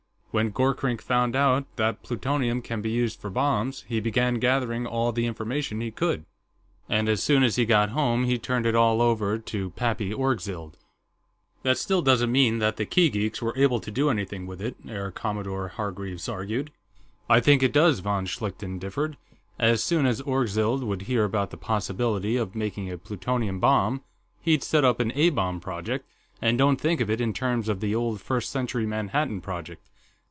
"When Gorkrink found out that plutonium can be used for bombs, he began gathering all the information he could. And as soon as he got home, he turned it all over to Pappy Orgzild." "That still doesn't mean that the Kee geeks were able to do anything with it," Air Commodore Hargreaves argued. "I think it does," von Schlichten differed. "As soon as Orgzild would hear about the possibility of making a plutonium bomb, he'd set up an A bomb project, and don't think of it in terms of the old First Century Manhattan Project.